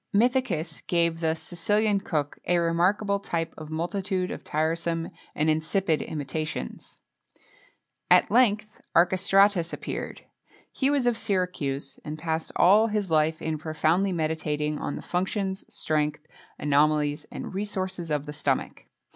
Mithœcus gave the "Sicilian Cook" a remarkable type of a multitude of tiresome and insipid imitations.[XXII 15] At length Archestratus appeared. He was of Syracuse, and passed all his life in profoundly meditating on the functions, strength, anomalies, and resources of the stomach.